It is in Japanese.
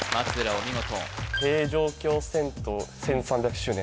お見事平城京遷都１３００周年？